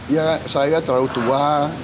ya saya terlalu tua